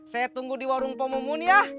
saya tunggu di warung pomumun ya